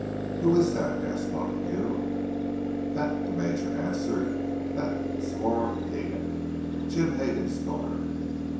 "Who is that?" asked Montague. "That," the Major answered, "that's Laura Hegan—Jim Hegan's daughter."